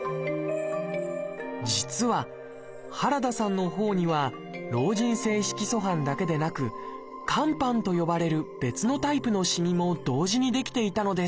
実は原田さんの頬には老人性色素斑だけでなく「肝斑」と呼ばれる別のタイプのしみも同時に出来ていたのです